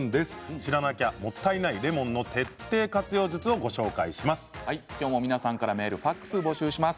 知らなきゃもったいないレモンの徹底活用術をご紹介します。